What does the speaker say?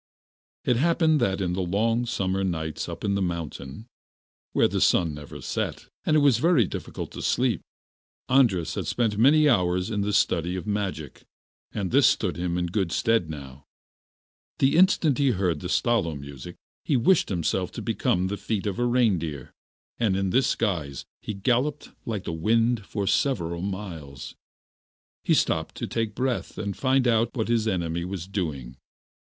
It happened that in the long summer nights up in the mountain, where the sun never set, and it was very difficult to get to sleep, Andras had spent many hours in the study of magic, and this stood him in good stead now. The instant he heard the Stalo music he wished himself to become the feet of a reindeer, and in this guise he galloped like the wind for several miles. Then he stopped to take breath and find out what his enemy was doing.